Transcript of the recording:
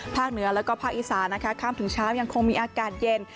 เหนือแล้วก็ภาคอีสานนะคะข้ามถึงเช้ายังคงมีอากาศเย็น